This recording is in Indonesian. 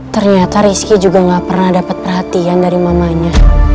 ternyata rizky juga gak pernah dapat perhatian dari mamanya